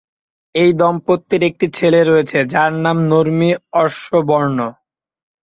এই দম্পতির একটি ছেলে রয়েছে, যার নাম নর্মি অসবর্ন।